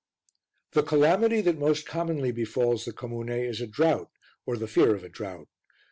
The calamity that most commonly befalls the comune is a drought, or the fear of a drought.